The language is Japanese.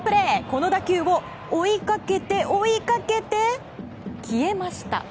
この打球を追いかけて、追いかけて消えました。